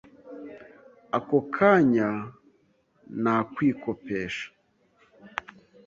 ako kanya nta kwikopesha